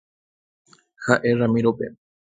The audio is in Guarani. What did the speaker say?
Ha'e Ramiro-pe.